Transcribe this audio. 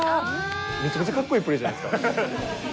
めちゃくちゃカッコいいプレーじゃないですか。